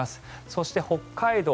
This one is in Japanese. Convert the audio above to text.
そして、北海道